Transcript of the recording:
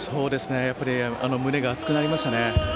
胸が熱くなりましたね。